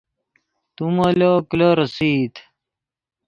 تو مولو کلو ریسئیت